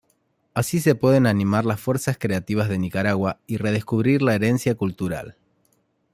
Así se pueden animar las fuerzas creativas de Nicaragua y redescubrir la herencia cultural.